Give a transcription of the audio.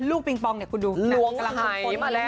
ลูกปิ๊งปองเนี่ยกูดูกำลังหายมาแล้ว